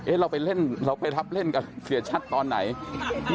เอ๊ะเราไปเล่นเราไปรับเล่นกับเสียชัตต์ตอนไหนนี่ฮะ